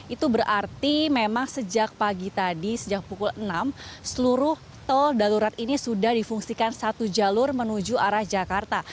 itu berarti memang sejak pagi tadi sejak pukul enam seluruh tol darurat ini sudah difungsikan satu jalur menuju arah jakarta